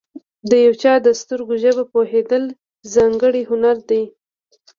د یو چا د سترګو ژبه پوهېدل، ځانګړی هنر دی.